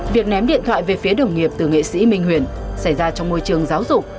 việc ném điện thoại về phía đồng nghiệp từ nghệ sĩ minh huyền xảy ra trong môi trường giáo dục